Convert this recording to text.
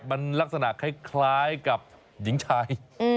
มันลักษณะคล้ายกับหญิงชาย